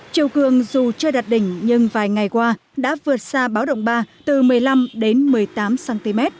chiều cường dù chưa đặt đỉnh nhưng vài ngày qua đã vượt xa báo động ba từ một mươi năm đến một mươi tám cm